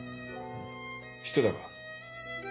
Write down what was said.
知ってたか？